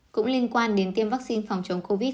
cũng liên quan đến tiêm vaccine phòng chống covid